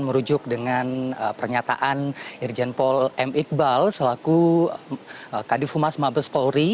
merujuk dengan pernyataan irjen paul m iqbal selaku kadif humas mabes polri